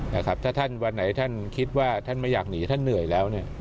ถ้าท่านวันไหนท่านคิดว่าท่านไม่อยากหนีท่านเหนื่อยแล้ว